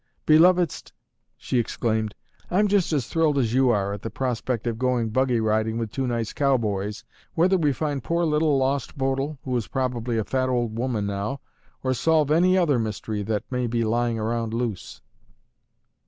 "Belovedest," she exclaimed, "I'm just as thrilled as you are at the prospect of going buggy riding with two nice cowboys whether we find poor Little lost Bodil (who is probably a fat old woman now) or solve any other mystery that may be lying around loose."